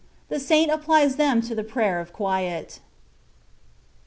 THE SAINT APPUBS THEK TO THE PRAYER OF 'QUIET.